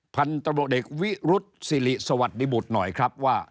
พันตรวจเอกวิรุษศิริสวัสดิบุตรหน่อยครับว่า